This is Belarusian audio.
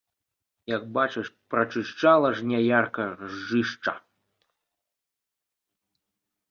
Як бачыш прачышчала жняярка ржышча!